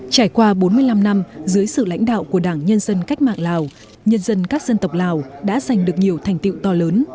trải qua bốn mươi năm năm dưới sự lãnh đạo của đảng nhân dân cách mạng lào nhân dân các dân tộc lào đã giành được nhiều thành tiệu to lớn